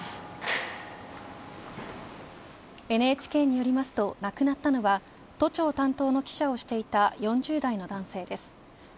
ＮＨＫによりますと亡くなったのは都庁担当の記者をしていた４０代の男性です。